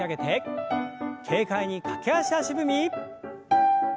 軽快に駆け足足踏み。